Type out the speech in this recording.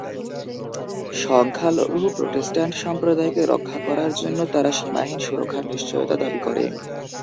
সংখ্যালঘু প্রটেস্টান্ট সম্প্রদায়কে রক্ষা করার জন্য তারা সীমাহীন সুরক্ষার নিশ্চয়তা দাবি করে।